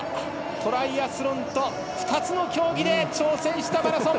トライアスロンと２つの競技で挑戦したマラソン。